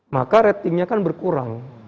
maka ratingnya kan berkurang